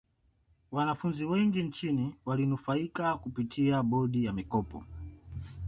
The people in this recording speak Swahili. wanafunzi wengi nchini walinufaika kupitia bodi ya mikopo